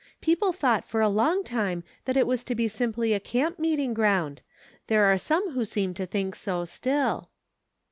Peo ple thought for a long time that it was to be sim ply a camp meeting ground ; there are some who seem to think so still."